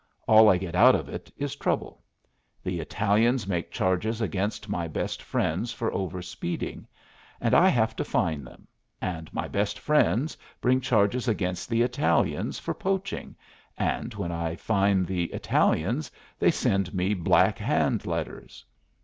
All I get out of it is trouble. The Italians make charges against my best friends for over speeding, and I have to fine them, and my best friends bring charges against the Italians for poaching, and when I fine the Italians they send me Black Hand letters.